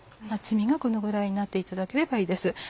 厚みがこのぐらいになっていただければいいです。